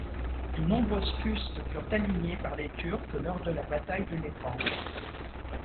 De nombreuses fustes furent alignées par les Turcs lors de la bataille de Lépante.